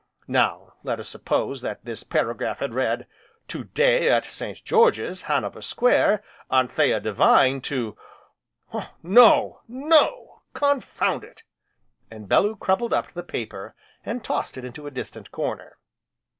Now, let us suppose that this paragraph had read: 'To day, at St. George's, Hanover Square, Anthea Devine to ' No no, confound it!" and Bellew crumpled up the paper, and tossed it into a distant corner.